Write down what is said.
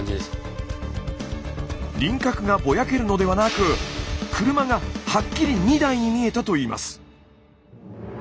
輪郭がぼやけるのではなく車がはっきり２台に見えたといいます。